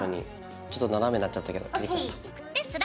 ちょっと斜めになっちゃったけど切れちゃった。